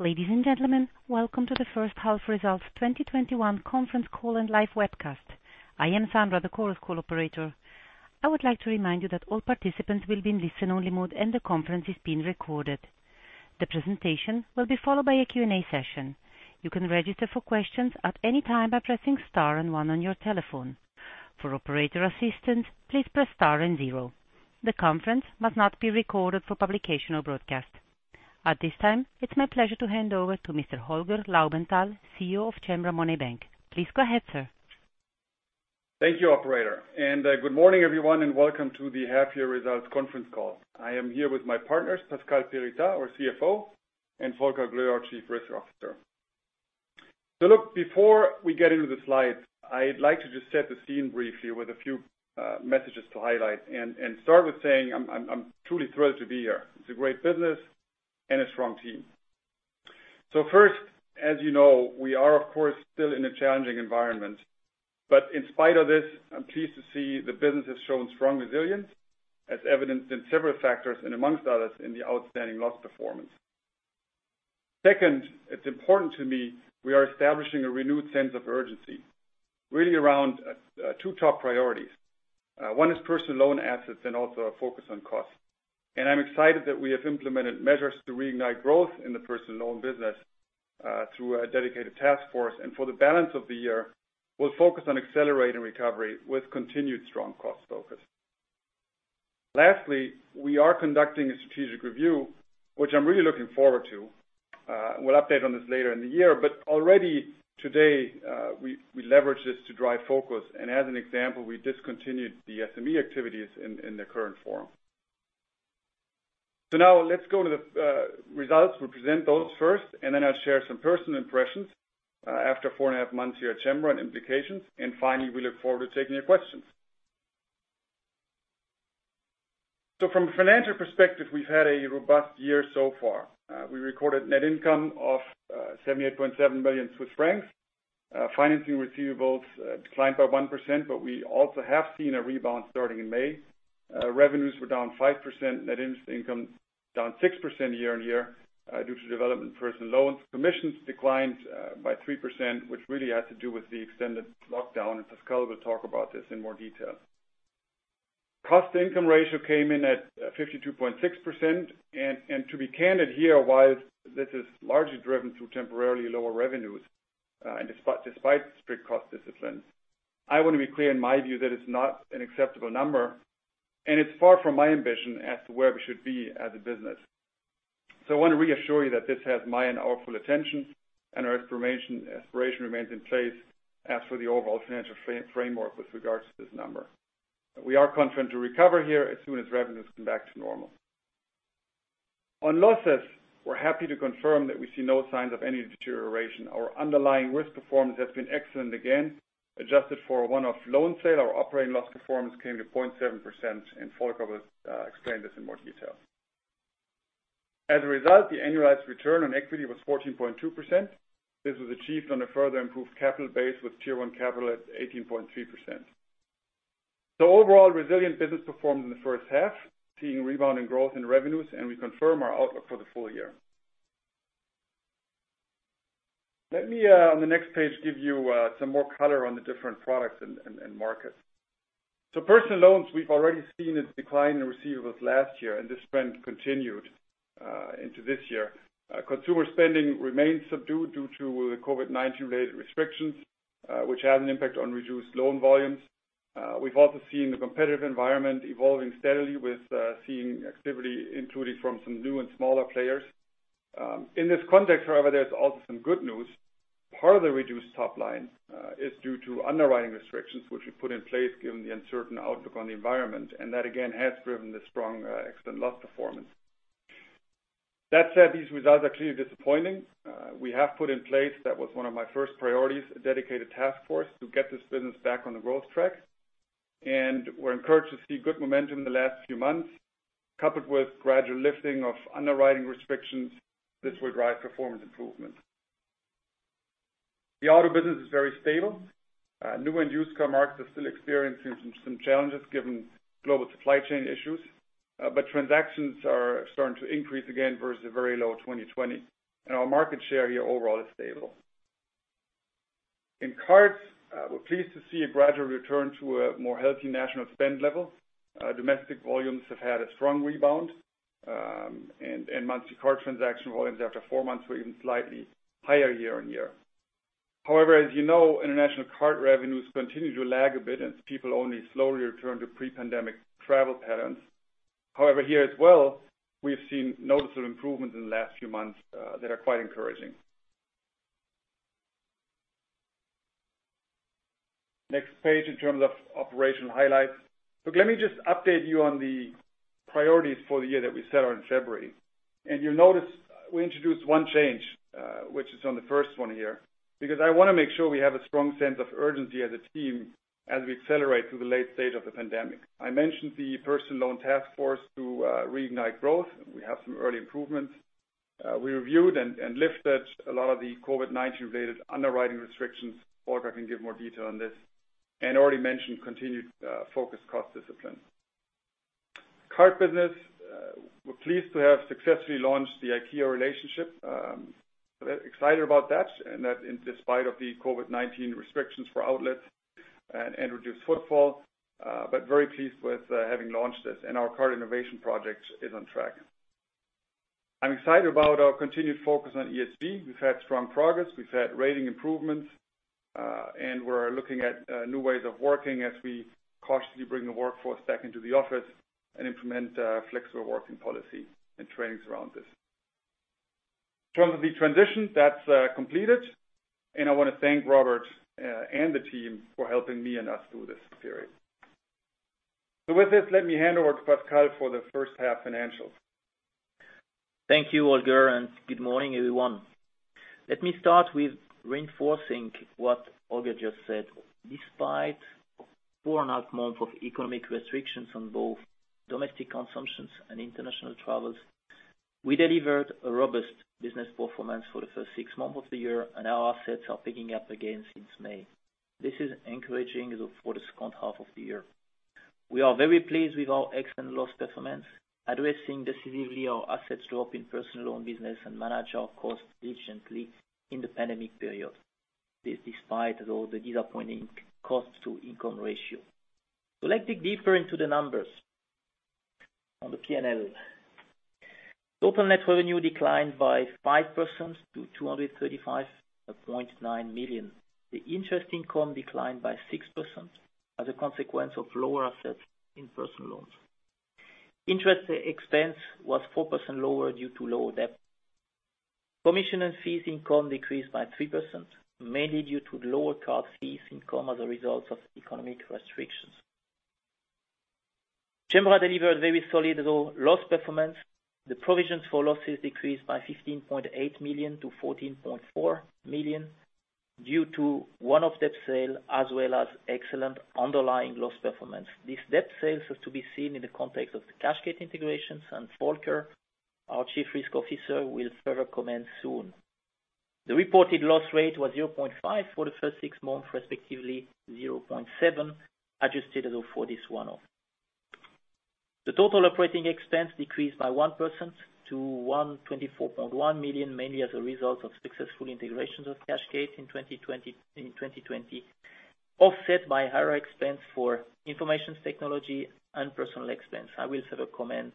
Ladies and gentlemen, Welcome to the first half results 2021 conference call and live webcast. I am Sandra, the conference call operator. I would like to remind you that all participants will be in listen-only mode and the conference is being recorded. The presentation will be followed by a Q&A session. You can register for questions at any time by pressing star and one on your telephone. For operator assistance, please press star and zero. The conference must not be recorded for publication or broadcast. At this time, it's my pleasure to hand over to Mr. Holger Laubenthal, CEO of Cembra Money Bank. Please go ahead, sir. Thank you, operator. Good morning, everyone, and Welcome to the half year results conference call. I am here with my partners, Pascal Perritaz, our CFO, and Volker Gloe, our Chief Risk Officer. Look, before we get into the slides, I'd like to just set the scene briefly with a few messages to highlight and start with saying I'm truly thrilled to be here. It's a great business and a strong team. First, as you know, we are of course still in a challenging environment. In spite of this, I'm pleased to see the business has shown strong resilience, as evidenced in several factors, and amongst others, in the outstanding loss performance. Second, it's important to me we are establishing a renewed sense of urgency, really around two top priorities. One is personal loan assets and also a focus on cost. I'm excited that we have implemented measures to reignite growth in the personal loan business through a dedicated task force. For the balance of the year, we'll focus on accelerating recovery with continued strong cost focus. Lastly, we are conducting a strategic review, which I'm really looking forward to. We'll update on this later in the year. Already today, we leverage this to drive focus, and as an example, we discontinued the SME activities in the current forum. Now let's go to the results. We'll present those first. Then I'll share some personal impressions after four and a half months here at Cembra and implications. Finally, we look forward to taking your questions. From a financial perspective, we've had a robust year so far. We recorded net income of 78.7 million Swiss francs. Financing receivables declined by 1%. We also have seen a rebound starting in May. Revenues were down 5%, net interest income down 6% year-on-year, due to development personal loans. Commissions declined by 3%, which really had to do with the extended lockdown, and Pascal will talk about this in more detail. Cost-to-income ratio came in at 52.6%, and to be candid here, while this is largely driven through temporarily lower revenues, and despite strict cost disciplines, I want to be clear in my view that it's not an acceptable number, and it's far from my ambition as to where we should be as a business. I want to reassure you that this has my and our full attention, and our aspiration remains in place as for the overall financial framework with regards to this number. We are confident to recover here as soon as revenues come back to normal. On losses, we're happy to confirm that we see no signs of any deterioration. Our underlying risk performance has been excellent again. Adjusted for one-off loan sale, our operating loss performance came to 0.7%. Volker will explain this in more detail. The annualized return on equity was 14.2%. This was achieved on a further improved capital base with Tier 1 capital at 18.3%. Overall, resilient business performed in the first half, seeing rebounding growth in revenues. We confirm our outlook for the full year. Let me, on the next page, give you some more color on the different products and markets. Personal loans, we've already seen a decline in receivables last year. This trend continued into this year. Consumer spending remains subdued due to the COVID-19-related restrictions, which had an impact on reduced loan volumes. We've also seen the competitive environment evolving steadily with seeing activity, including from some new and smaller players. In this context, however, there's also some good news. Part of the reduced top line is due to underwriting restrictions, which we put in place given the uncertain outlook on the environment. That again has driven the strong excellent loss performance. That said, these results are clearly disappointing. We have put in place, that was one of my first priorities, a dedicated task force to get this business back on the growth track. We're encouraged to see good momentum in the last few months, coupled with gradual lifting of underwriting restrictions. This will drive performance improvement. The auto business is very stable. New and used car markets are still experiencing some challenges given global supply chain issues, but transactions are starting to increase again versus very low 2020. Our market share here overall is stable. In cards, we're pleased to see a gradual return to a more healthy national spend level. Domestic volumes have had a strong rebound, and monthly card transaction volumes after four months were even slightly higher year-on-year. However, as you know, international card revenues continue to lag a bit as people only slowly return to pre-pandemic travel patterns. However, here as well, we've seen noticeable improvements in the last few months that are quite encouraging. Next page in terms of operational highlights. Look, let me just update you on the priorities for the year that we set out in February. You'll notice we introduced one change, which is on the first one here, because I want to make sure we have a strong sense of urgency as a team as we accelerate through the late stage of the pandemic. I mentioned the personal loan task force to reignite growth. We have some early improvements. We reviewed and lifted a lot of the COVID-19 related underwriting restrictions. Volker can give more detail on this. Already mentioned continued focus cost discipline. Card business, we're pleased to have successfully launched the IKEA relationship. Excited about that, and that in despite of the COVID-19 restrictions for outlets and reduced footfall, but very pleased with having launched this, and our card innovation project is on track. I'm excited about our continued focus on ESG. We've had strong progress. We've had rating improvements, and we're looking at new ways of working as we cautiously bring the workforce back into the office and implement a flexible working policy and trainings around this. In terms of the transition, that's completed, and I want to thank Robert and the team for helping me and us through this period. With this, let me hand over to Pascal for the first half financials. Thank you, Holger, and good morning, everyone. Let me start with reinforcing what Holger just said. Despite four and a half months of economic restrictions on both domestic consumptions and international travels, we delivered a robust business performance for the first six months of the year, and our assets are picking up again since May. This is encouraging for the second half of the year. We are very pleased with our excellent loss performance, addressing decisively our assets drop in personal loan business and manage our costs efficiently in the pandemic period, this despite the disappointing cost to income ratio. Let's dig deeper into the numbers on the P&L. Total net revenue declined by 5% to 235.9 million. The interest income declined by 6% as a consequence of lower assets in personal loans. Interest expense was 4% lower due to lower debt. Commission and fees income decreased by 3%, mainly due to lower card fees income as a result of economic restrictions. Cembra delivered very solid loss performance. The provisions for losses decreased by 15.8 million to 14.4 million due to one-off debt sale, as well as excellent underlying loss performance. This debt sale is to be seen in the context of the cashgate integrations, and Volker, our Chief Risk Officer, will further comment soon. The reported loss rate was 0.5% for the first six months, respectively, 0.7%, adjusted for this one-off. The total operating expense decreased by 1% to 124.1 million, mainly as a result of successful integrations of cashgate in 2020, offset by higher expense for information technology and personal expense. I will further comment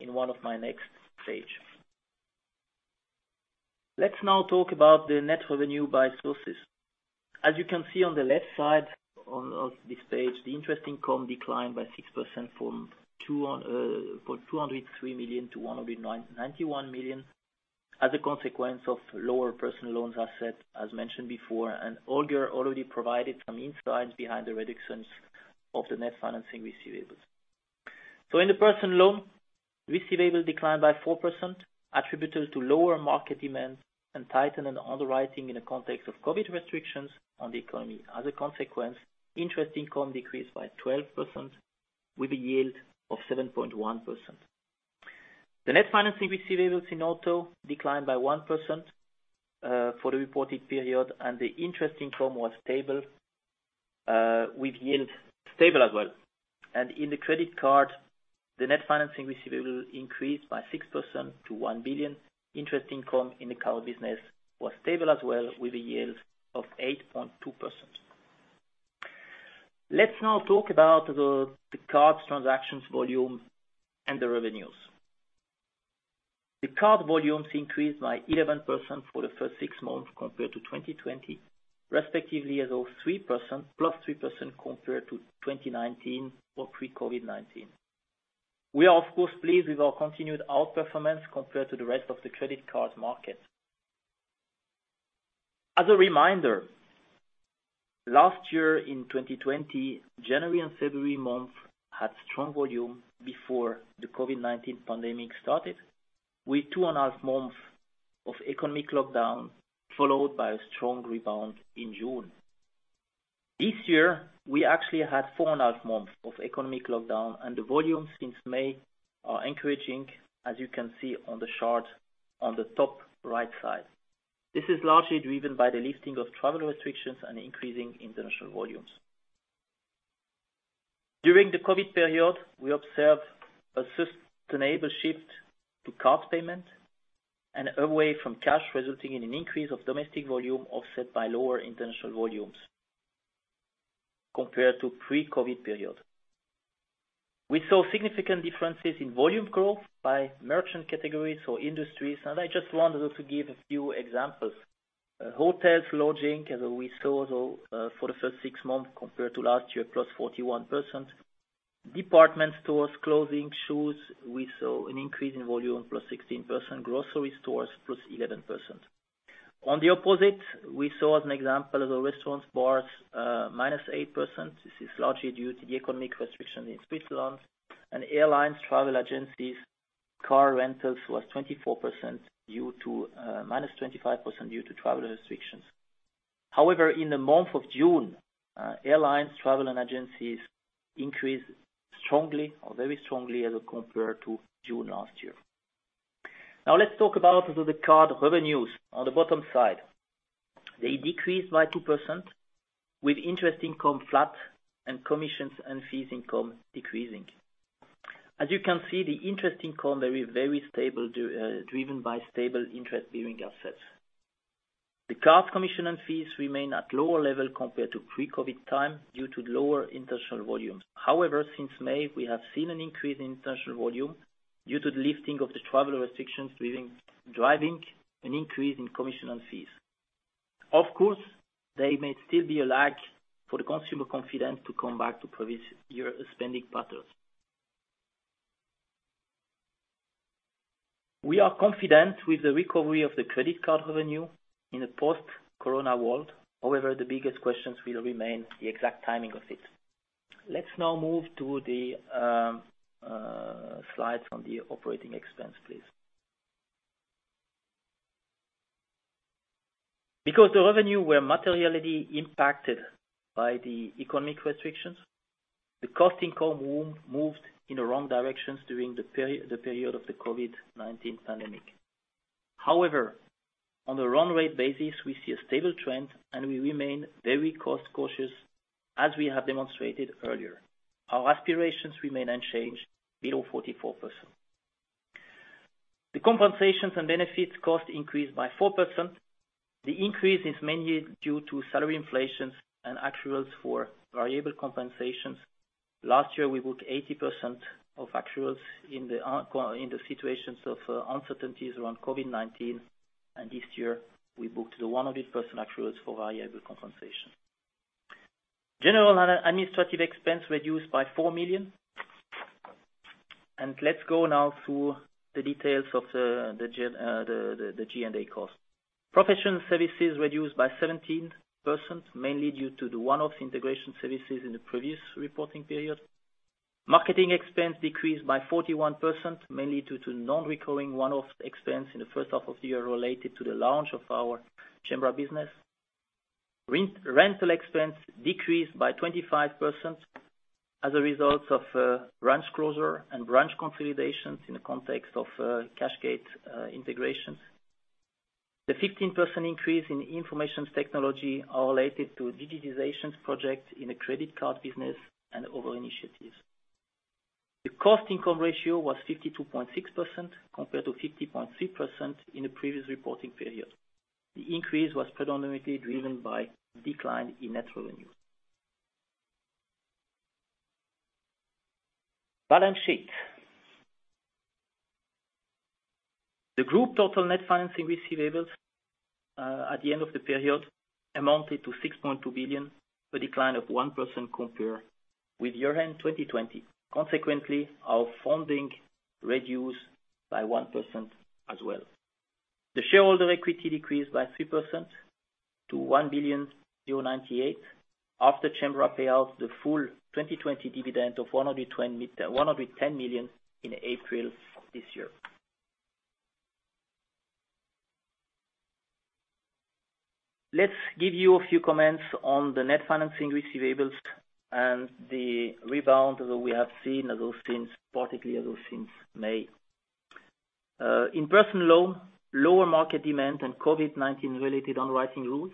in one of my next page. Let's now talk about the net revenue by sources. As you can see on the left side of this page, the interest income declined by 6% from 203 million to 191 million as a consequence of lower personal loans asset, as mentioned before, and Holger already provided some insights behind the reductions of the net financing receivables. In the personal loan, receivables declined by 4%, attributable to lower market demand and tighter underwriting in the context of COVID-19 restrictions on the economy. As a consequence, interest income decreased by 12% with a yield of 7.1%. The net financing receivables in auto declined by 1% for the reported period, and the interest income was stable, with yield stable as well. In the credit card, the net financing receivable increased by 6% to 1 billion. Interest income in the card business was stable as well with a yield of 8.2%. Let's now talk about the cards transactions volume and the revenues. The card volumes increased by 11% for the first six months compared to 2020, respectively as of +3% compared to 2019 or pre-COVID-19. We are, of course, pleased with our continued outperformance compared to the rest of the credit card market. As a reminder, last year in 2020, January and February month had strong volume before the COVID-19 pandemic started, with two and a half months of economic lockdown, followed by a strong rebound in June. This year, we actually had four and a half months of economic lockdown, and the volumes since May are encouraging, as you can see on the chart on the top right side. This is largely driven by the lifting of travel restrictions and increasing international volumes. During the COVID-19 period, we observed a sustainable shift to card payment and away from cash, resulting in an increase of domestic volume offset by lower international volumes compared to pre-COVID-19 period. We saw significant differences in volume growth by merchant categories or industries, I just wanted to give a few examples. Hotels, lodging, as we saw for the first six months compared to last year, +41%. Department stores, clothing, shoes, we saw an increase in volume +16%. Grocery stores, +11%. On the opposite, we saw as one example, the restaurants, bars, -8%. This is largely due to the economic restriction in Switzerland. Airlines, travel agencies, car rentals was -25% due to travel restrictions. However, in the month of June, airlines, travel, and agencies increased strongly or very strongly as compared to June last year. Now let's talk about the card revenues on the bottom side. They decreased by 2%, with interest income flat and commissions and fees income decreasing. As you can see, the interest income very stable, driven by stable interest-bearing assets. The card commission and fees remain at lower level compared to pre-COVID-19 time due to lower international volumes. However, since May, we have seen an increase in international volume due to the lifting of the travel restrictions, driving an increase in commission and fees. Of course, there may still be a lag for the consumer confidence to come back to previous year spending patterns. We are confident with the recovery of the credit card revenue in a post-COVID-19 world. However, the biggest questions will remain the exact timing of it. Let's now move to the slide from the operating expense, please. Because the revenue were materially impacted by the economic restrictions, the cost income moved in the wrong directions during the period of the COVID-19 pandemic. However, on a run rate basis, we see a stable trend, and we remain very cost-cautious as we have demonstrated earlier. Our aspirations remain unchanged below 44%. The compensations and benefits cost increased by 4%. The increase is mainly due to salary inflation and actuals for variable compensations. Last year, we booked 80% of actuals in the situations of uncertainties around COVID-19, and this year we booked 100% actuals for variable compensation. General administrative expense reduced by 4 million. Let's go now through the details of the G&A cost. Professional services reduced by 17%, mainly due to the one-off integration services in the previous reporting period. Marketing expense decreased by 41%, mainly due to non-recurring one-off expense in the first half of the year related to the launch of our Cembra business. Rental expense decreased by 25% as a result of branch closure and branch consolidations in the context of cashgate integration. The 15% increase in information technology are related to digitization projects in the credit card business and other initiatives. The cost-income ratio was 52.6% compared to 50.3% in the previous reporting period. The increase was predominantly driven by decline in net revenue. Balance sheet. The group total net financing receivables at the end of the period amounted to 6.2 billion, a decline of 1% compared with year-end 2020. Consequently, our funding reduced by 1% as well. The shareholder equity decreased by 3% to CHF 1.098 billion. After Cembra paid out the full 2020 dividend of 110 million in April this year. Let's give you a few comments on the net financing receivables and the rebound that we have seen, particularly since May. In personal loan, lower market demand, and COVID-19 related underwriting rules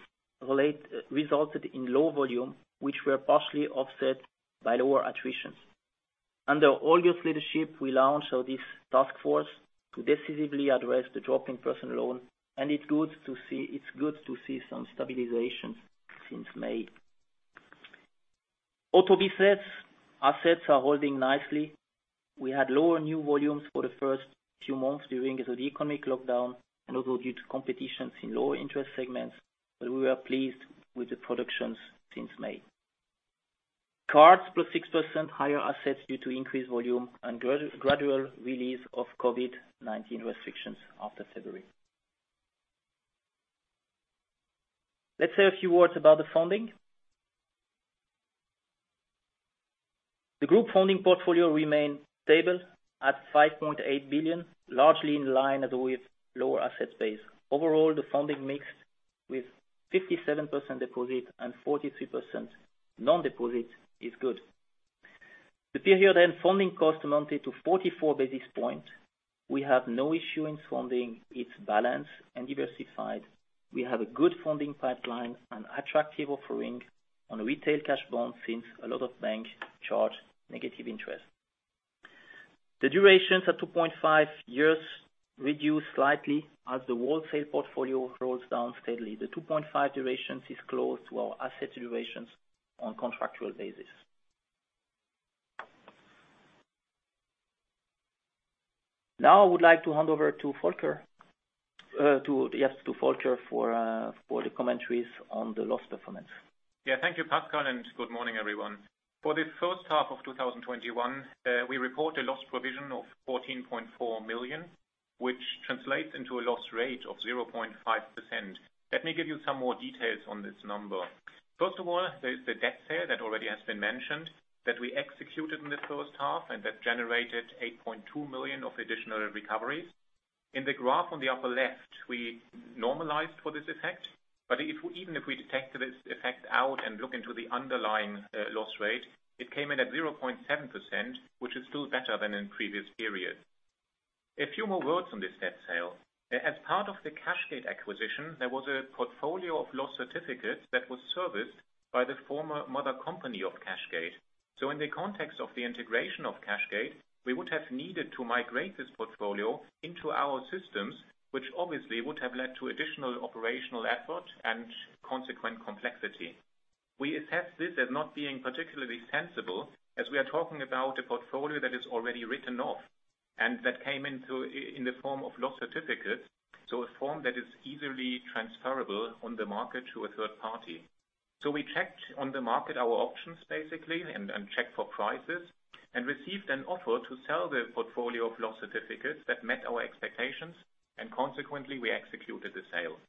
resulted in low volume, which were partially offset by lower attritions. Under Holger's leadership, we launched this task force to decisively address the drop in personal loan, and it's good to see some stabilization since May. Auto business assets are holding nicely. We had lower new volumes for the first few months during the economic lockdown and also due to competitions in lower interest segments, but we were pleased with the productions since May. Cards, +6% higher assets due to increased volume and gradual release of COVID-19 restrictions after February. Let's say a few words about the funding. The group funding portfolio remained stable at 5.8 billion, largely in line with lower asset base. Overall, the funding mix with 57% deposit and 43% non-deposit is good. The period end funding cost amounted to 44 basis points. We have no issuance funding. It's balanced and diversified. We have a good funding pipeline and attractive offering on retail cash bonds since a lot of banks charge negative interest. The durations at 2.5 years reduced slightly as the wholesale portfolio rolls down steadily. The 2.5 durations is close to our asset durations on contractual basis. Now I would like to hand over to Volker Gloe for the commentaries on the loss performance. Thank you, Pascal, and good morning, everyone. For the first half of 2021, we report a loss provision of 14.4 million, which translates into a loss rate of 0.5%. Let me give you some more details on this number. First of all, there is the debt sale that already has been mentioned that we executed in the first half, and that generated 8.2 million of additional recoveries. In the graph on the upper left, we normalized for this effect, but even if we deducted this effect out and look into the underlying loss rate, it came in at 0.7%, which is still better than in previous periods. A few more words on this debt sale. As part of the cashgate acquisition, there was a portfolio of loss certificates that was serviced by the former mother company of cashgate. In the context of the integration of cashgate, we would have needed to migrate this portfolio into our systems, which obviously would have led to additional operational effort and consequent complexity. We assessed this as not being particularly sensible as we are talking about a portfolio that is already written off and that came in the form of loss certificates, so a form that is easily transferable on the market to a third party. We checked on the market our options basically and checked for prices and received an offer to sell the portfolio of loss certificates that met our expectations and consequently we executed the sale.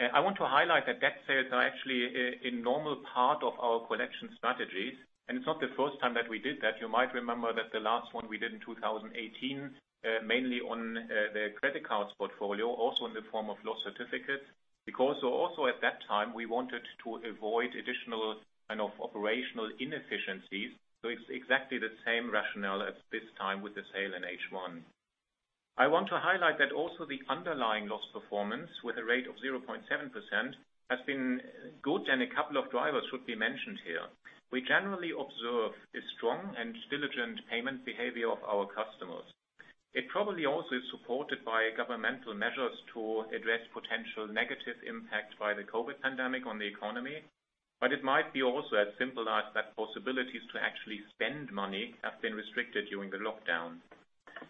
I want to highlight that debt sales are actually a normal part of our collection strategies, and it's not the first time that we did that. You might remember that the last one we did in 2018, mainly on the credit cards portfolio, also in the form of loss certificates, because also at that time, we wanted to avoid additional operational inefficiencies. It's exactly the same rationale as this time with the sale in H1. I want to highlight that also the underlying loss performance with a rate of 0.7% has been good and a couple of drivers should be mentioned here. We generally observe a strong and diligent payment behavior of our customers. It probably also is supported by governmental measures to address potential negative impact by the COVID pandemic on the economy, it might be also as simple as that possibilities to actually spend money have been restricted during the lockdown.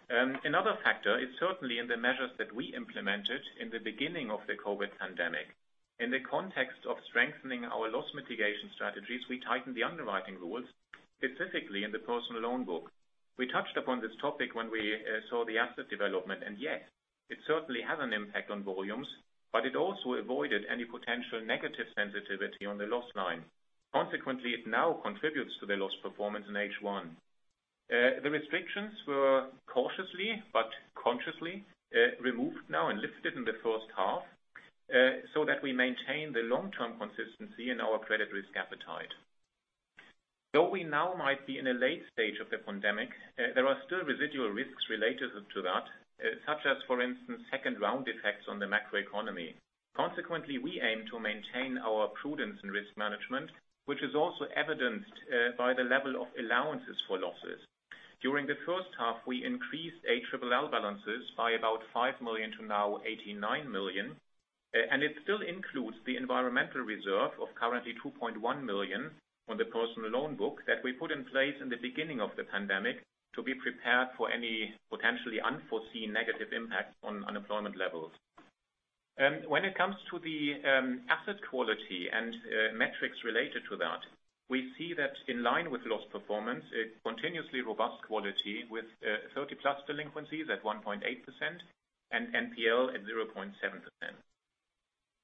Another factor is certainly in the measures that we implemented in the beginning of the COVID pandemic. In the context of strengthening our loss mitigation strategies, we tightened the underwriting rules, specifically in the personal loan book. We touched upon this topic when we saw the asset development, and yes, it certainly has an impact on volumes, but it also avoided any potential negative sensitivity on the loss line. Consequently, it now contributes to the loss performance in H1. The restrictions were cautiously but consciously removed now and lifted in the first half, so that we maintain the long-term consistency in our credit risk appetite. Though we now might be in a late stage of the pandemic, there are still residual risks related to that, such as, for instance, second-round effects on the macroeconomy. Consequently, we aim to maintain our prudence and risk management, which is also evidenced by the level of allowances for losses. During the first half, we increased ALLL balances by about 5 million to now 89 million, and it still includes the environmental reserve of currently 2.1 million on the personal loan book that we put in place in the beginning of the pandemic to be prepared for any potentially unforeseen negative impact on unemployment levels. When it comes to the asset quality and metrics related to that, we see that in line with loss performance, a continuously robust quality with 30+ delinquencies at 1.8% and NPL at 0.7%.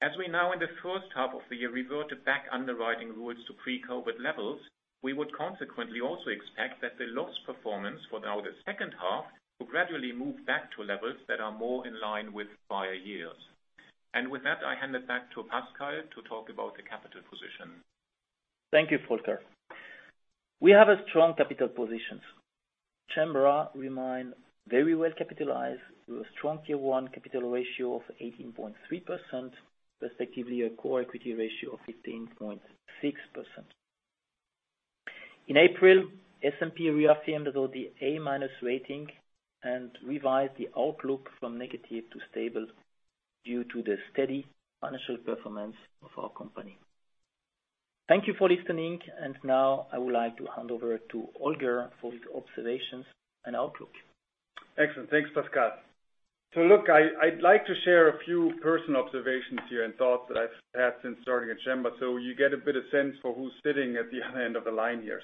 As we now in the first half of the year reverted back underwriting rules to pre-COVID levels, we would consequently also expect that the loss performance for now the second half will gradually move back to levels that are more in line with prior years. With that, I hand it back to Pascal to talk about the capital position. Thank you, Volker. We have a strong capital position. Cembra remain very well capitalized with a strong Q1 capital ratio of 18.3%, respectively a core equity ratio of 15.6%. In April, S&P reaffirmed about the A-minus rating and revised the outlook from negative to stable due to the steady financial performance of our company. Thank you for listening, and now I would like to hand over to Holger for his observations and outlook. Excellent. Thanks, Pascal. I'd like to share a few personal observations here and thoughts that I've had since starting at Cembra, so you get a bit of sense for who's sitting at the other end of the line here.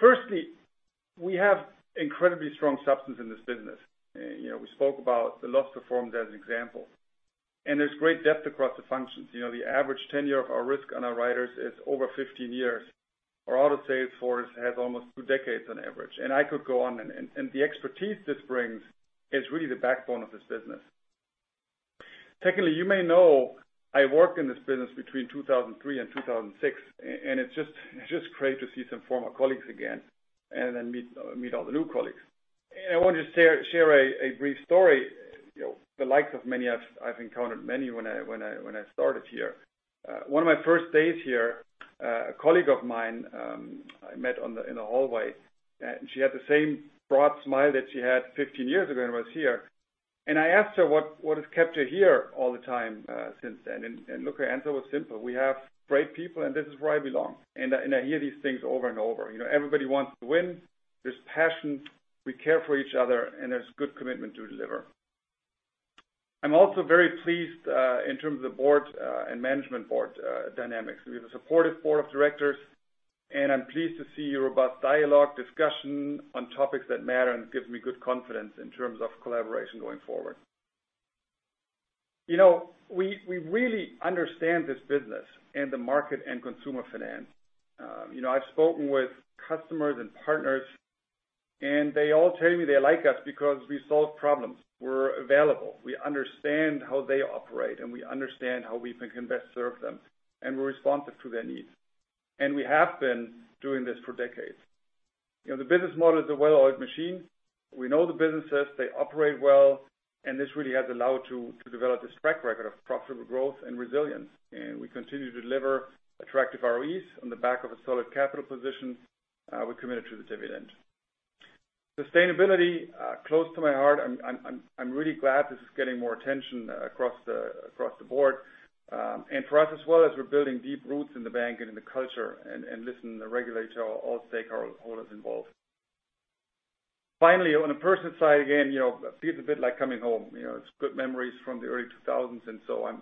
Firstly, we have incredibly strong substance in this business. We spoke about the loss performance as an example, and there's great depth across the functions. The average tenure of our risk underwriters is over 15 years. Our auto sales force has almost two decades on average, and I could go on, and the expertise this brings is really the backbone of this business. Secondly, you may know I worked in this business between 2003 and 2006, and it's just great to see some former colleagues again and then meet all the new colleagues. I want to share a brief story, the likes of many I've encountered when I started here. One of my first days here, a colleague of mine I met in the hallway, and she had the same broad smile that she had 15 years ago when I was here. I asked her what has kept her here all the time since then, look, her answer was simple. "We have great people, and this is where I belong." I hear these things over and over. Everybody wants to win. There's passion. We care for each other, and there's good commitment to deliver. I'm also very pleased in terms of board and management board dynamics. We have a supportive board of directors, and I'm pleased to see a robust dialogue, discussion on topics that matter, and it gives me good confidence in terms of collaboration going forward. We really understand this business and the market and consumer finance. I've spoken with customers and partners, and they all tell me they like us because we solve problems. We're available, we understand how they operate, and we understand how we can best serve them, and we're responsive to their needs. We have been doing this for decades. The business model is a well-oiled machine. We know the businesses, they operate well, this really has allowed to develop this track record of profitable growth and resilience. We continue to deliver attractive ROEs on the back of a solid capital position, we're committed to the dividend. Sustainability, close to my heart. I'm really glad this is getting more attention across the board. For us as well as we're building deep roots in the bank and in the culture and listen to the regulator, all stakeholders involved. Finally, on a personal side, again, feels a bit like coming home. It's good memories from the early 2000s.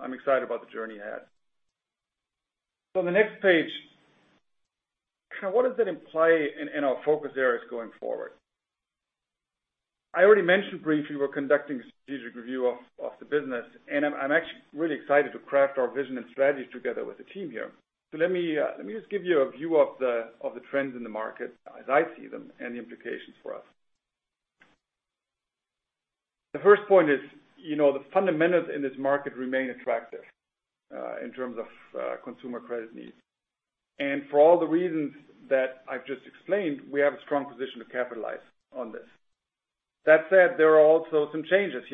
I'm excited about the journey ahead. The next page, what does it imply in our focus areas going forward? I already mentioned briefly we're conducting strategic review of the business, and I'm actually really excited to craft our vision and strategy together with the team here. Let me just give you a view of the trends in the market as I see them and the implications for us. The first point is, the fundamentals in this market remain attractive, in terms of consumer credit needs. For all the reasons that I've just explained, we have a strong position to capitalize on this. That said, there are also some changes.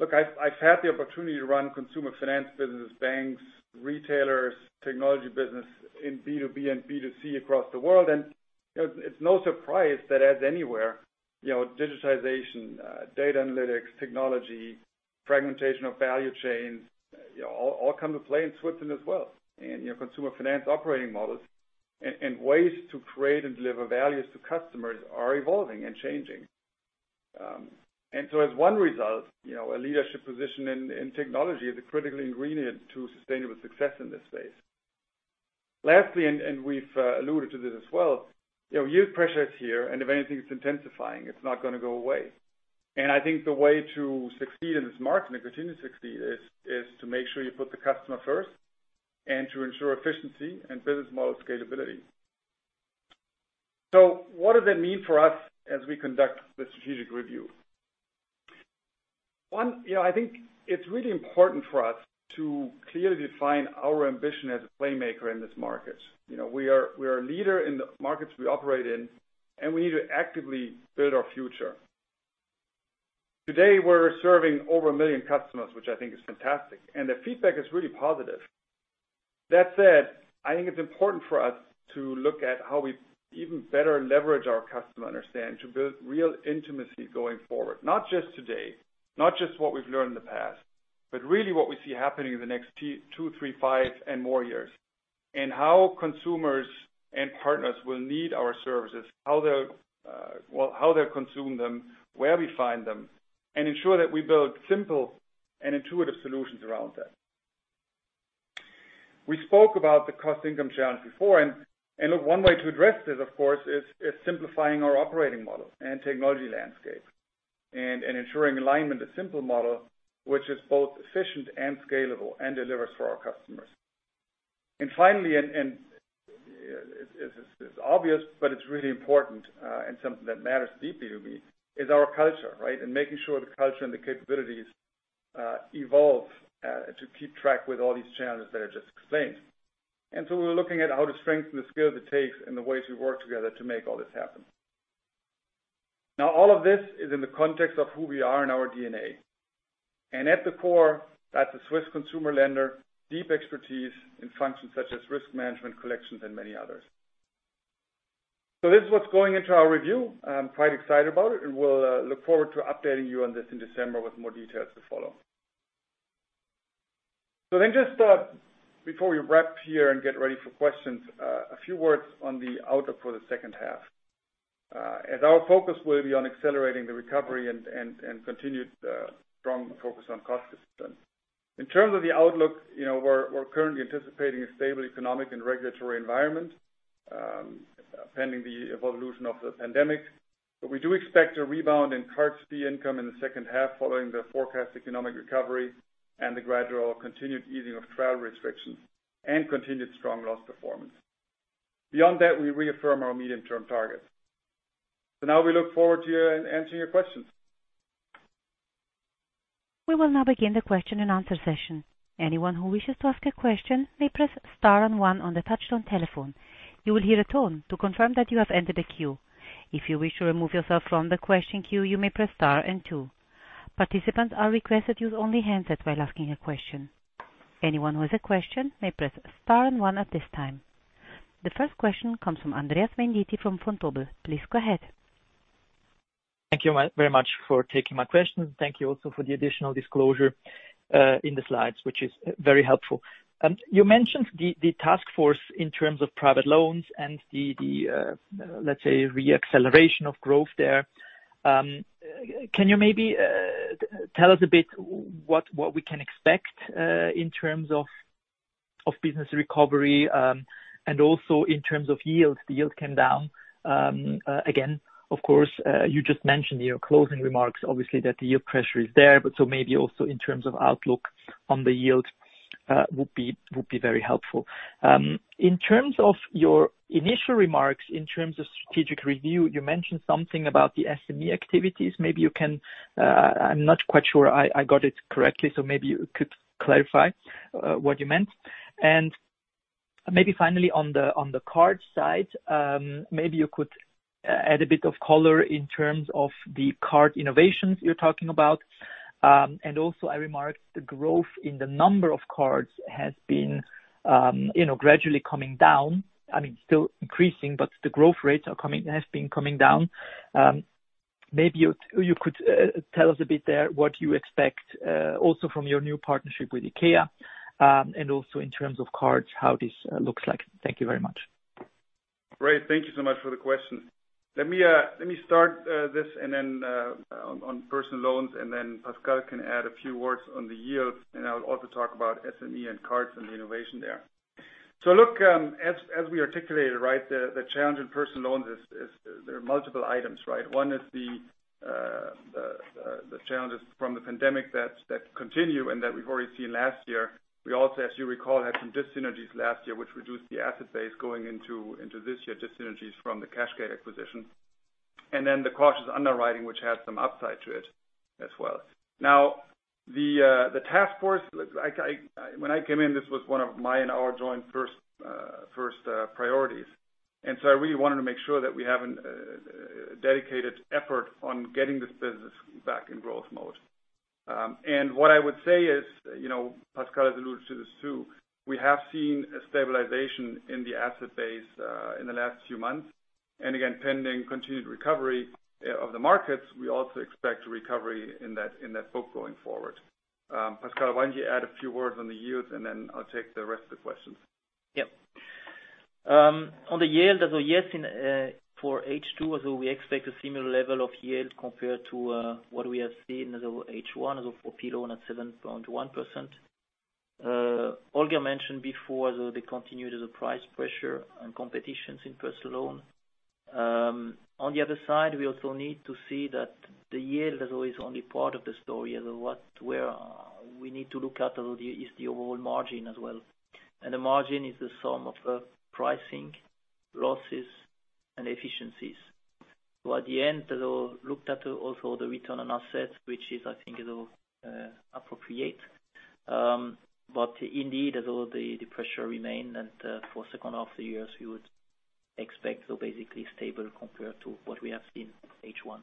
Look, I've had the opportunity to run consumer finance businesses, banks, retailers, technology business in B2B and B2C across the world, and it's no surprise that as anywhere, digitization, data analytics, technology, fragmentation of value chains, all come to play in Switzerland as well. Consumer finance operating models and ways to create and deliver values to customers are evolving and changing. As one result, a leadership position in technology is a critical ingredient to sustainable success in this space. Lastly, and we've alluded to this as well, yield pressure is here, and if anything, it's intensifying. It's not going to go away. I think the way to succeed in this market and continue to succeed is to make sure you put the customer first and to ensure efficiency and business model scalability. What does that mean for us as we conduct the strategic review? One, I think it's really important for us to clearly define our ambition as a playmaker in this market. We are a leader in the markets we operate in, and we need to actively build our future. Today, we're serving over a million customers, which I think is fantastic, and the feedback is really positive. That said, I think it's important for us to look at how we even better leverage our customer understanding to build real intimacy going forward. Not just today, not just what we've learned in the past, but really what we see happening in the next two, three, five, and more years. How consumers and partners will need our services, how they'll consume them, where we find them, and ensure that we build simple and intuitive solutions around that. We spoke about the cost income challenge before. One way to address this, of course, is simplifying our operating model and technology landscape. Ensuring alignment, a simple model which is both efficient and scalable and delivers for our customers. Finally, it's obvious, but it's really important, and something that matters deeply to me, is our culture. Making sure the culture and the capabilities evolve to keep track with all these challenges that I just explained. We're looking at how to strengthen the skills it takes and the ways we work together to make all this happen. All of this is in the context of who we are and our DNA. At the core, that's a Swiss consumer lender, deep expertise in functions such as risk management, collections, and many others. This is what's going into our review. I'm quite excited about it, and we'll look forward to updating you on this in December with more details to follow. Just before we wrap here and get ready for questions, a few words on the outlook for the second half. Our focus will be on accelerating the recovery and continued strong focus on cost discipline. In terms of the outlook, we're currently anticipating a stable economic and regulatory environment, pending the evolution of the pandemic. We do expect a rebound in card fee income in the second half following the forecast economic recovery and the gradual continued easing of travel restrictions and continued [strong loss performance. Beyond that, we reaffirm our medium-term targets. Now we look forward to answering your questions. We will now begin the question and answer session. Anyone who wishes to ask a question may press star and one on the touchtone telephone. You will hear a tone to confirm that you have entered a queue. If you wish to remove yourself from the question queue, you may press star and two. Participants are requested to use only handsets while asking a question. Anyone who has a question may press star and one at this time. The first question comes from Andreas Venditti from Vontobel. Please go ahead. Thank you very much for taking my question. Thank you also for the additional disclosure in the slides, which is very helpful. You mentioned the task force in terms of private loans and the, let's say, re-acceleration of growth there. Can you maybe tell us a bit what we can expect in terms of business recovery, and also in terms of yield? The yield came down. Of course, you just mentioned in your closing remarks, obviously, that the yield pressure is there. So maybe also in terms of outlook on the yield would be very helpful. In terms of your initial remarks in terms of strategic review, you mentioned something about the SME activities. I'm not quite sure I got it correctly. Maybe you could clarify what you meant. Maybe finally on the card side, maybe you could add a bit of color in terms of the card innovations you're talking about. Also I remarked the growth in the number of cards has been gradually coming down. Still increasing, but the growth rates have been coming down. Maybe you could tell us a bit there what you expect, also from your new partnership with IKEA, and also in terms of cards, how this looks like. Thank you very much. Great. Thank you so much for the question. Let me start this on personal loans, and then Pascal can add a few words on the yields, and I'll also talk about SME and cards and the innovation there. Look, as we articulated, the challenge in personal loans is there are multiple items. One is the challenges from the pandemic that continue and that we've already seen last year. We also, as you recall, had some dis-synergies last year, which reduced the asset base going into this year, dis-synergies from the cashgate acquisition. The cautious underwriting, which has some upside to it as well. Now, the task force, when I came in, this was one of my and our joint first priorities. I really wanted to make sure that we have a dedicated effort on getting this business back in growth mode. What I would say is, Pascal has alluded to this too, we have seen a stabilization in the asset base in the last few months. Again, pending continued recovery of the markets, we also expect a recovery in that book going forward. Pascal, why don't you add a few words on the yields, and then I'll take the rest of the questions. Yeah. On the yield, as of yet for H2, we expect a similar level of yield compared to what we have seen as of H1, as of for P-loan at 7.1%. Holger mentioned before, the continued price pressure and competitions in personal loan. On the other side, we also need to see that the yield is always only part of the story, and where we need to look at is the overall margin as well. The margin is the sum of pricing, losses, and efficiencies. At the end, looked at also the return on assets, which is, I think, appropriate. Indeed, the pressure remain, and for second half of the year, we would expect basically stable compared to what we have seen H1.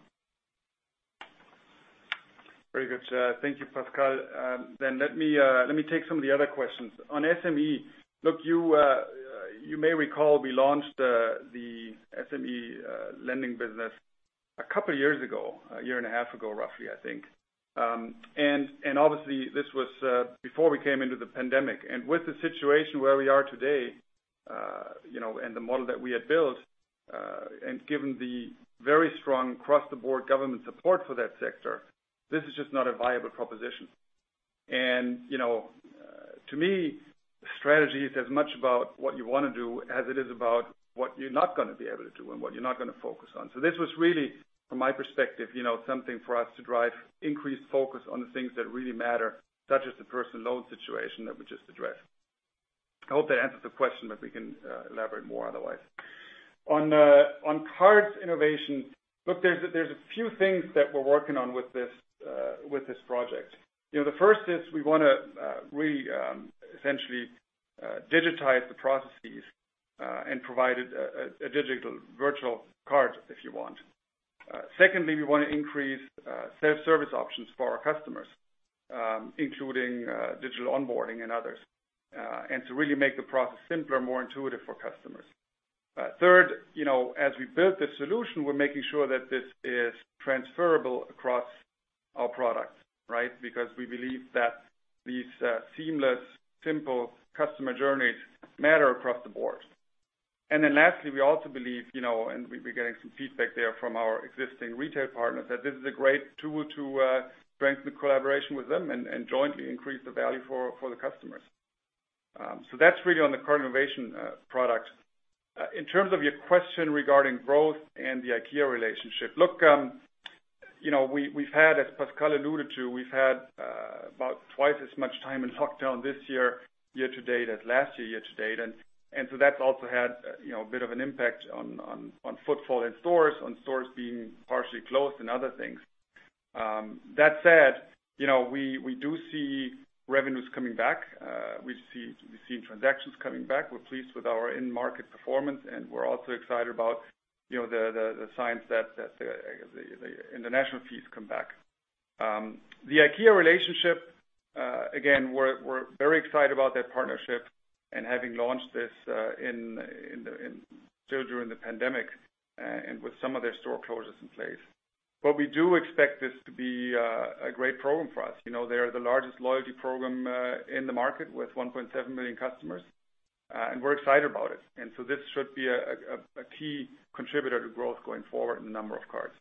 Very good. Thank you, Pascal. Let me take some of the other questions. On SME, look, you may recall we launched the SME lending business a couple of years ago, a year and a half ago, roughly, I think. Obviously, this was before we came into the pandemic. With the situation where we are today, and the model that we had built, and given the very strong across-the-board government support for that sector, this is just not a viable proposition. To me, strategy is as much about what you want to do as it is about what you're not going to be able to do and what you're not going to focus on. This was really, from my perspective, something for us to drive increased focus on the things that really matter, such as the personal loan situation that we just addressed. I hope that answers the question, but we can elaborate more otherwise. On cards innovation, look, there's a few things that we're working on with this project. The first is we want to re-essentially digitize the processes and provide a digital virtual card if you want. Secondly, we want to increase self-service options for our customers, including digital onboarding and others, and to really make the process simpler and more intuitive for customers. Third, as we build the solution, we're making sure that this is transferable across our products. We believe that these seamless, simple customer journeys matter across the board. Lastly, we also believe, and we're getting some feedback there from our existing retail partners, that this is a great tool to strengthen collaboration with them and jointly increase the value for the customers. That's really on the card innovation product. In terms of your question regarding growth and the IKEA relationship. Look, as Pascal alluded to, we've had about twice as much time in lockdown this year to date as last year to date. That's also had a bit of an impact on footfall in stores, on stores being partially closed and other things. That said, we do see revenues coming back. We've seen transactions coming back. We're pleased with our in-market performance, and we're also excited about the signs that the international fees come back. The IKEA relationship, again, we're very excited about that partnership and having launched this still during the pandemic and with some of their store closures in place. We do expect this to be a great program for us. They are the largest loyalty program in the market with 1.7 million customers, and we're excited about it. This should be a key contributor to growth going forward in the number of cards.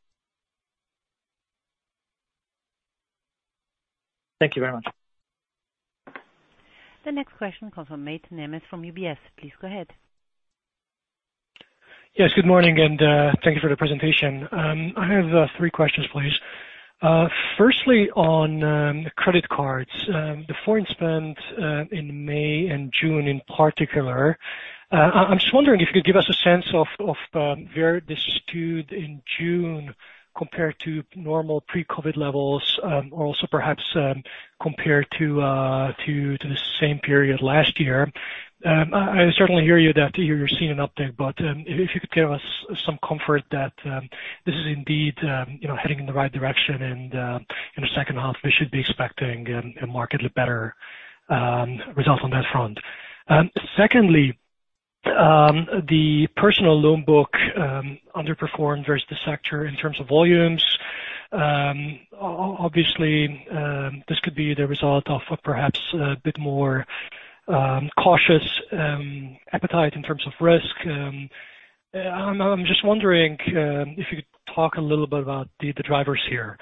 Thank you very much. The next question comes from Mate Nemes from UBS. Please go ahead. Yes, good morning, and thank you for the presentation. I have three questions, please. Firstly, on credit cards, the foreign spend in May and June, in particular, I'm just wondering if you could give us a sense of where this stood in June compared to normal pre-COVID-19 levels, or also perhaps compared to the same period last year. I certainly hear you that you're seeing an uptick, but if you could give us some comfort that this is indeed heading in the right direction and, in the second half, we should be expecting a markedly better result on that front. Secondly, the personal loan book underperformed versus the sector in terms of volumes. Obviously, this could be the result of perhaps a bit more cautious appetite in terms of risk. I'm just wondering if you could talk a little bit about the drivers here.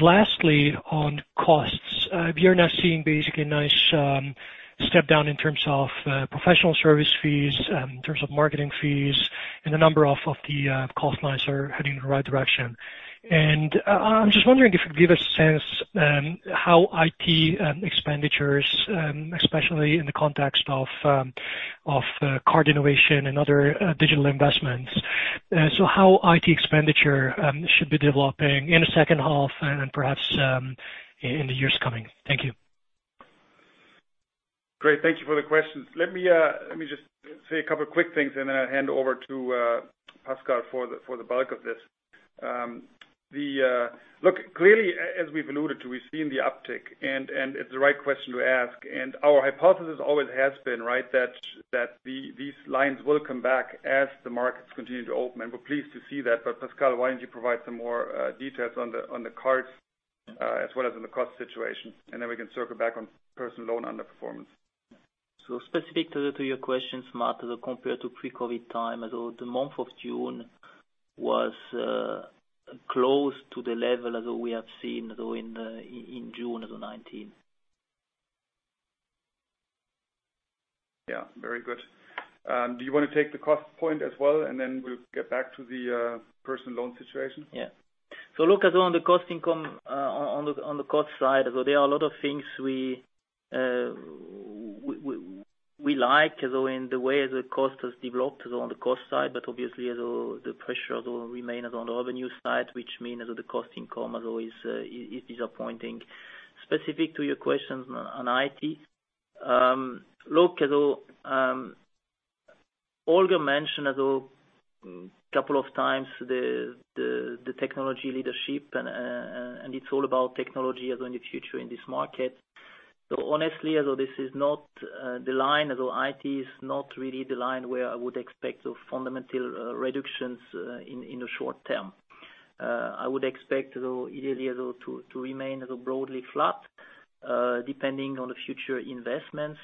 Lastly, on costs, we are now seeing basically a nice step down in terms of professional service fees, in terms of marketing fees, and a number of the costs now are heading in the right direction. I'm just wondering if you could give a sense how IT expenditures, especially in the context of card innovation and other digital investments, so how IT expenditure should be developing in the second half and perhaps in the years coming. Thank you. Great. Thank you for the questions. Let me just say a couple of quick things, and then I hand over to Pascal for the bulk of this. Clearly, as we've alluded to, we've seen the uptick, and it's the right question to ask. Our hypothesis always has been that these lines will come back as the markets continue to open, and we're pleased to see that. Pascal, why don't you provide some more details on the cards as well as on the cost situation, and then we can circle back on personal loan underperformance. Specific to your question, Mate, compared to pre-COVID-19 time, the month of June was close to the level that we have seen in June of 2019. Yeah, very good. Do you want to take the cost point as well, and then we'll get back to the personal loan situation? Look on the cost side, there are a lot of things we like in the way the cost has developed on the cost side, but obviously the pressure will remain on the revenue side, which means that the cost income is disappointing. Specific to your questions on IT, Holger mentioned a couple of times the technology leadership. It's all about technology in the future in this market. Honestly, IT is not really the line where I would expect fundamental reductions in the short term. I would expect it really to remain broadly flat, depending on the future investments.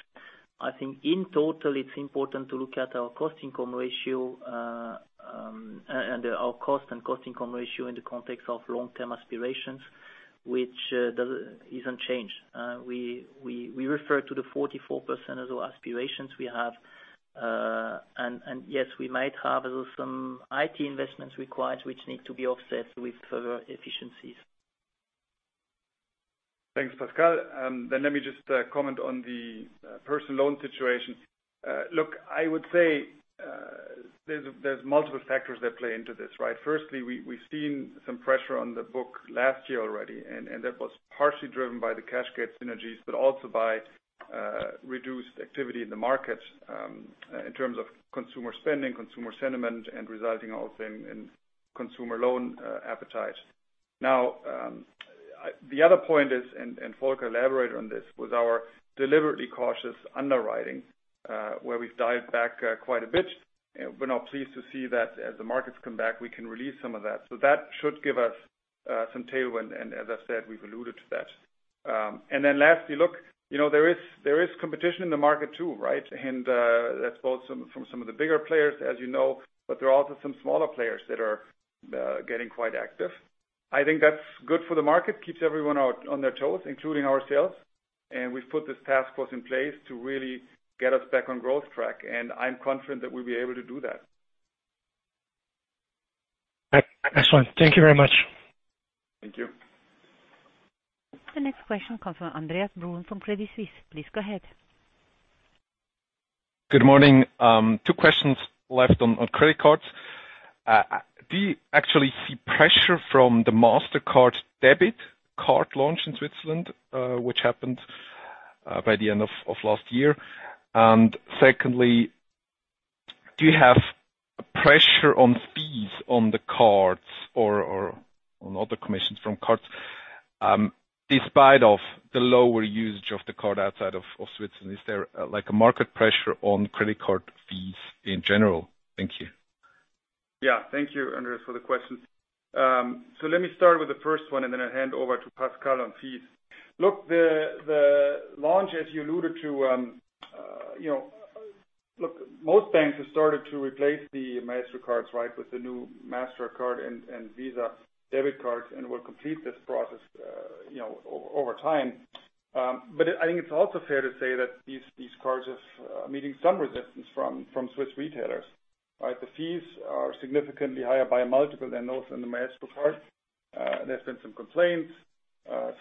It's important to look at our cost income ratio and our cost and cost income ratio in the context of long-term aspirations, which isn't changed. We refer to the 44% as aspirations we have. Yes, we might have some IT investments required, which need to be offset with further efficiencies. Thanks, Pascal. Let me just comment on the personal loan situation. Look, I would say there's multiple factors that play into this, right? Firstly, we've seen some pressure on the book last year already, and that was partially driven by the cashgate synergies, but also by reduced activity in the market in terms of consumer spending, consumer sentiment, and resulting also in consumer loan appetite. The other point is, and Volker elaborated on this, was our deliberately cautious underwriting, where we've dialed back quite a bit. We're now pleased to see that as the markets come back, we can release some of that. That should give us some tailwind, and as I said, we've alluded to that. Lastly, look, there is competition in the market too. That's both from some of the bigger players, as you know, but there are also some smaller players that are getting quite active. I think that's good for the market, keeps everyone on their toes, including ourselves. We've put this task force in place to really get us back on growth track. I'm confident that we'll be able to do that. Excellent. Thank you very much. Thank you. The next question comes from Andreas Brun from Credit Suisse. Please go ahead. Good morning. Two questions left on credit cards. Do you actually see pressure from the Mastercard debit card launch in Switzerland, which happened by the end of last year? Secondly, do you have pressure on fees on the cards or on other commissions from cards despite the lower usage of the card outside of Switzerland? Is there a market pressure on credit card fees in general? Thank you. Thank you, Andreas, for the question. Let me start with the first one, and then I hand over to Pascal on fees. Most banks have started to replace the Maestro cards with the new Mastercard and Visa debit cards, and will complete this process over time. I think it's also fair to say that these cards are meeting some resistance from Swiss retailers. The fees are significantly higher by a multiple than those in the Maestro card. There's been some complaints.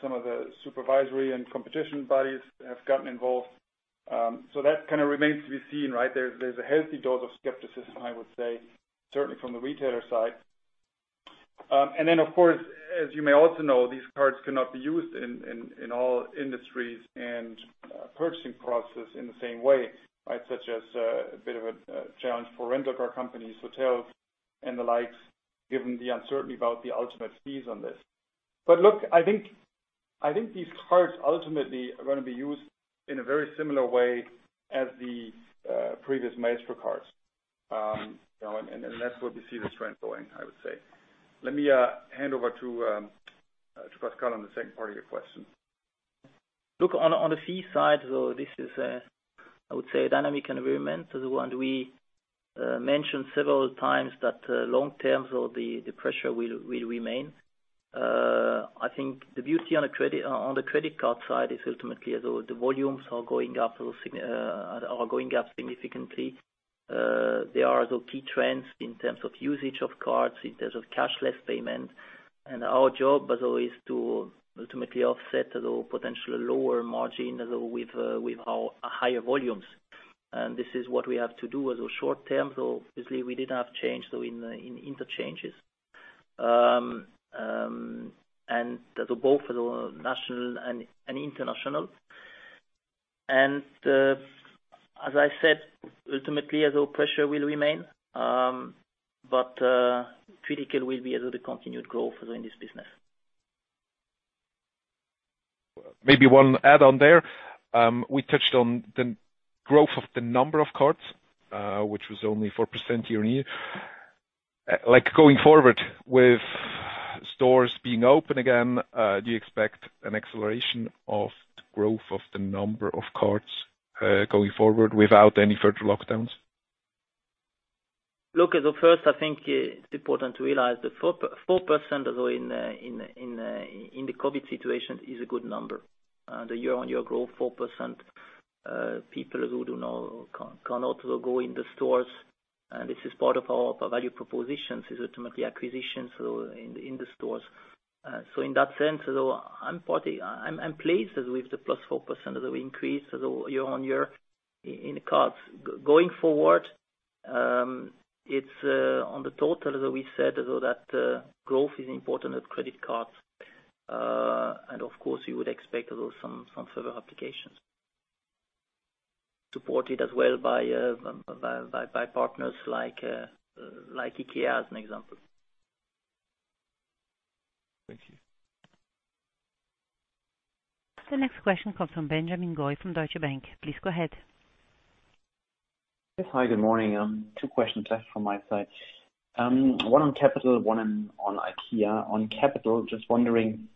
Some of the supervisory and competition bodies have gotten involved. That kind of remains to be seen. There's a healthy dose of skepticism, I would say, certainly from the retailer side. Then, of course, as you may also know, these cards cannot be used in all industries and purchasing process in the same way, such as a bit of a challenge for rental car companies, hotels, and the likes, given the uncertainty about the ultimate fees on this. Look, I think these cards ultimately are going to be used in a very similar way as the previous Maestro cards. That's where we see the trend going, I would say. Let me hand over to Pascal on the second part of your question. Look, on the fee side, this is, I would say, a dynamic environment, and we mentioned several times that long-term, the pressure will remain. I think the beauty on the credit card side is ultimately, the volumes are going up significantly. There are key trends in terms of usage of cards, in terms of cashless payment. Our job is to ultimately offset potential lower margin with our higher volumes. This is what we have to do as a short-term. Obviously, we did have change in interchanges, and both national and international. As I said, ultimately, pressure will remain, but critical will be the continued growth in this business. Maybe one add-on there. We touched on the growth of the number of cards, which was only 4% year-on-year. Going forward, with stores being open again, do you expect an acceleration of the growth of the number of cards going forward without any further lockdowns? Look, first, I think it's important to realize the 4% in the COVID-19 situation is a good number. The year-over-year growth 4%, people who cannot go in the stores. This is part of our value propositions, is ultimately acquisition in the stores. In that sense, I'm pleased with the plus 4% of the increase year-over-year in cards. Going forward, it's on the total that we said that growth is important of credit cards. Of course, we would expect some further applications supported as well by partners like IKEA, as an example. Thank you. The next question comes from Benjamin Goy from Deutsche Bank. Please go ahead. Yes. Hi, good morning. Two questions left from my side. One on capital, one on IKEA. On capital, just wondering,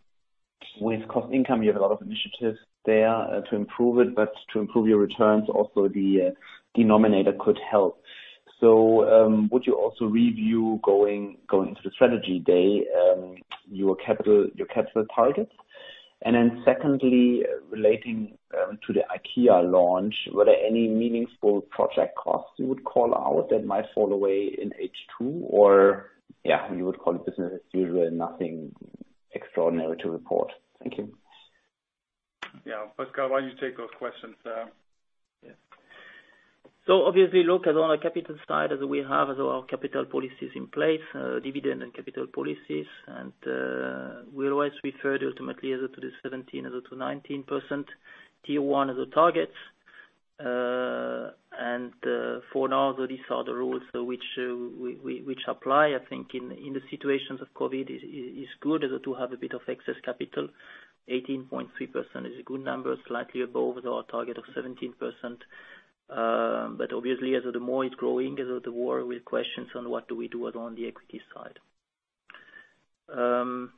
with cost income, you have a lot of initiatives there to improve it, to improve your returns also, the denominator could help. Would you also review, going into the strategy day, your capital targets? Secondly, relating to the IKEA launch, were there any meaningful project costs you would call out that might fall away in H2? Yeah, you would call it business as usual and nothing extraordinary to report. Thank you. Yeah. Pascal, why don't you take those questions? Yeah. Obviously, look on our capital side, we have our capital policies in place, dividend and capital policies. We always referred ultimately to the 17%-19% Tier 1 as a target. For now, these are the rules which apply, I think, in the situations of COVID-19, is good to have a bit of excess capital. 18.3% is a good number, slightly above our target of 17%. Obviously, the more it's growing, the more we question on what do we do on the equity side. On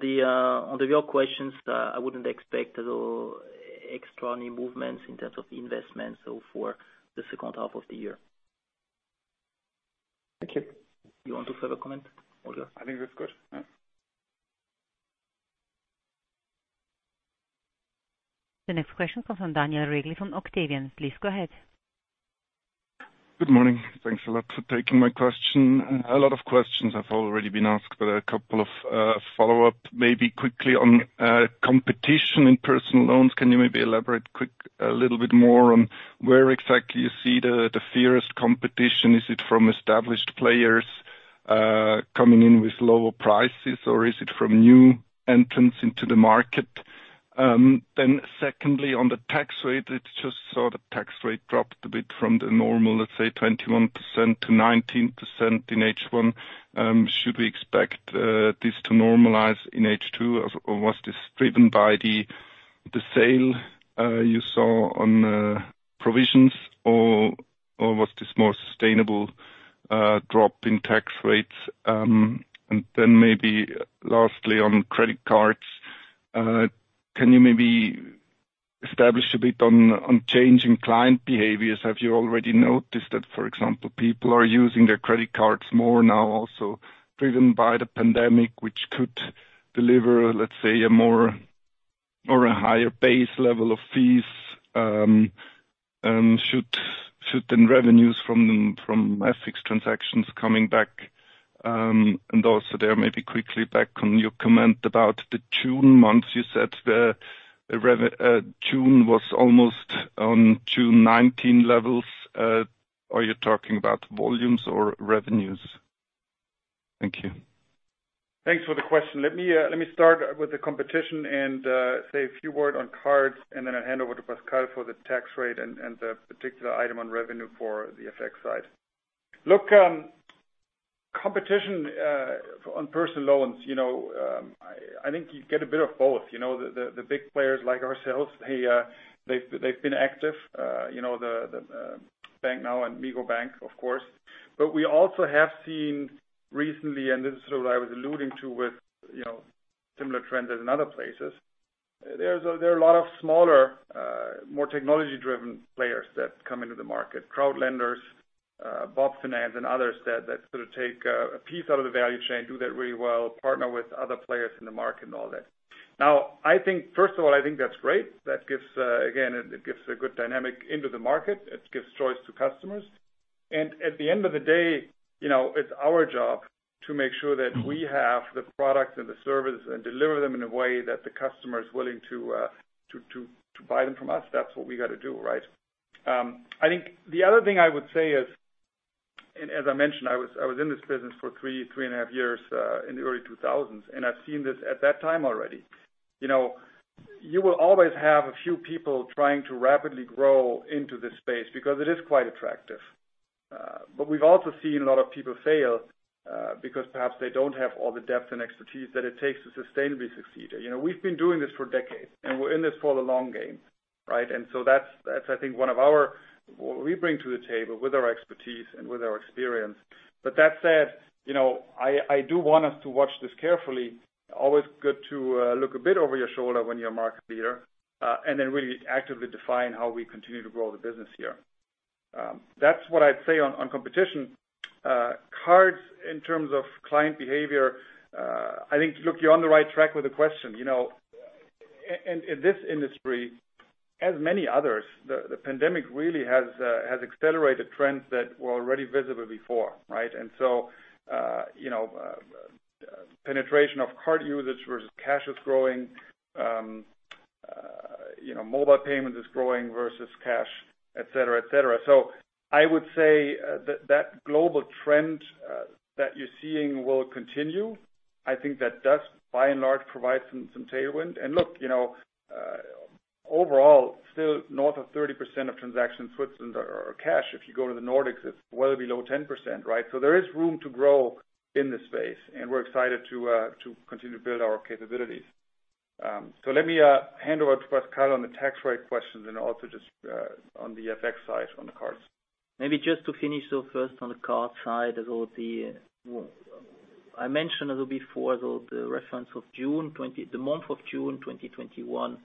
the real questions, I wouldn't expect extra new movements in terms of the investment for the second half of the year. Thank you. You want to further comment, Holger? I think that's good. Yeah. The next question comes from Daniel Regli from Octavian. Please go ahead. Good morning. Thanks a lot for taking my question. A lot of questions have already been asked, but a couple of follow-up, maybe quickly on competition in personal loans. Can you maybe elaborate a little bit more on where exactly you see the fiercest competition? Is it from established players coming in with lower prices, or is it from new entrants into the market? Secondly, on the tax rate, I just saw the tax rate dropped a bit from the normal, let's say, 21% to 19% in H1. Should we expect this to normalize in H2, or was this driven by the sale you saw on provisions or was this more sustainable drop in tax rates? Lastly, on credit cards, can you maybe establish a bit on changing client behaviors? Have you already noticed that, for example, people are using their credit cards more now also, driven by the pandemic, which could deliver, let's say, a more or a higher base level of fees, and should then revenues from FX transactions coming back, and also there may be quickly back on your comment about the June month, you said June was almost on June 2019 levels. Are you talking about volumes or revenues? Thank you. Thanks for the question. Let me start with the competition and say a few words on cards, and then I'll hand over to Pascal for the tax rate and the particular item on revenue for the FX side. Look, competition on personal loans, I think you get a bit of both. The big players like ourselves, they've been active, BANK-now and Migros Bank, of course. We also have seen recently, and this is what I was alluding to with similar trends as in other places. There are a lot of smaller, more technology-driven players that come into the market, crowd lenders, bob Finance, and others that sort of take a piece out of the value chain, do that really well, partner with other players in the market and all that. First of all, I think that's great. Again, it gives a good dynamic into the market. It gives choice to customers. At the end of the day, it's our job to make sure that we have the products and the service and deliver them in a way that the customer is willing to buy them from us. That's what we got to do, right? I think the other thing I would say is, as I mentioned, I was in this business for three and a half years, in the early 2000s, and I've seen this at that time already. You will always have a few people trying to rapidly grow into this space because it is quite attractive. We've also seen a lot of people fail, because perhaps they don't have all the depth and expertise that it takes to sustainably succeed. We've been doing this for decades, and we're in this for the long game, right? That's I think one of what we bring to the table with our expertise and with our experience. That said, I do want us to watch this carefully. Always good to look a bit over your shoulder when you're a market leader, then really actively define how we continue to grow the business here. That's what I'd say on competition. Cards in terms of client behavior, I think, look, you're on the right track with the question. In this industry, as many others, the pandemic really has accelerated trends that were already visible before, right? Penetration of card usage versus cash is growing. Mobile payment is growing versus cash, et cetera. I would say that global trend that you're seeing will continue. I think that does by and large provide some tailwind. Look, overall, still north of 30% of transactions in Switzerland are cash. If you go to the Nordics, it's well below 10%, right? There is room to grow in this space, and we're excited to continue to build our capabilities. Let me hand over to Pascal on the tax rate questions and also just on the FX side on the cards. Maybe just to finish though first on the card side as well, I mentioned a little before, though the reference of the month of June 2021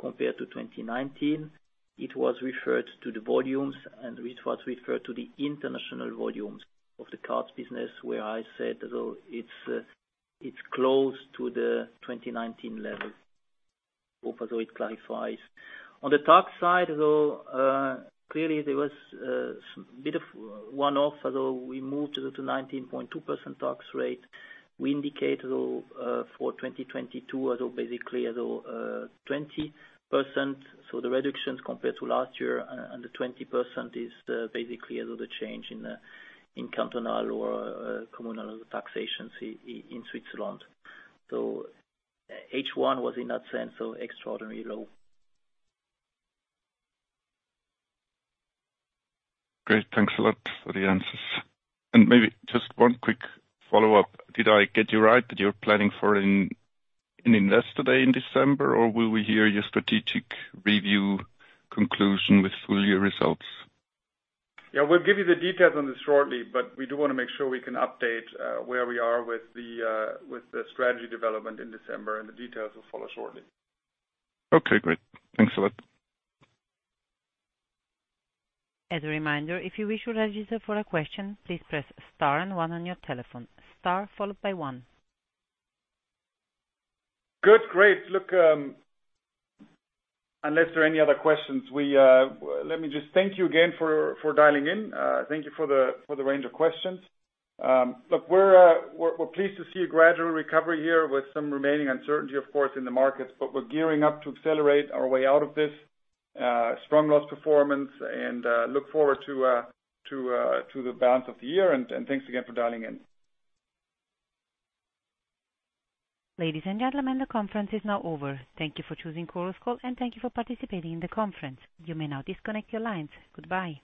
compared to 2019, it was referred to the volumes, and it was referred to the international volumes of the cards business where I said, though it's close to the 2019 level. Hope that it clarifies. On the tax side, though, clearly there was a bit of one-off, although we moved to 19.2% tax rate. We indicate for 2022, although basically 20%, so the reductions compared to last year and the 20% is basically the change in cantonal or communal taxations in Switzerland. H1 was in that sense, though, extraordinary low. Great. Thanks a lot for the answers. Maybe just one quick follow-up. Did I get you right that you're planning for an investor day in December, or will we hear your strategic review conclusion with full year results? We'll give you the details on this shortly, but we do want to make sure we can update where we are with the strategy development in December, and the details will follow shortly. Okay, great. Thanks a lot. As a reminder, if you wish to register for a question, please press star and one on your telephone. Star followed by one. Good. Great. Look, unless there are any other questions, let me just thank you again for dialing in. Thank you for the range of questions. Look, we're pleased to see a gradual recovery here with some remaining uncertainty, of course, in the markets, but we're gearing up to accelerate our way out of this strong loss performance and look forward to the balance of the year. Thanks again for dialing in. Ladies and gentlemen, the conference is now over. Thank you for choosing Chorus Call, and thank you for participating in the conference. You may now disconnect your lines. Goodbye.